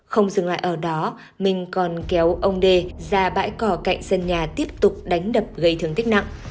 không dừng lại ở đó minh còn kéo ông đê ra bãi cò cạnh sân nhà tiếp tục đánh đập gây thương tích nặng